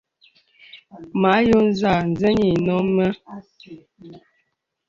Mə àyɔ̄ɔ̄ zàà, zê yì nɔ̂ mə.